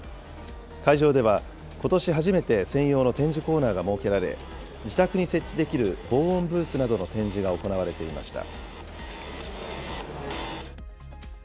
会場では、ことし初めて専用の展示コーナーが設けられ、自宅に設置できる防音ブースなどの展示が行われていました。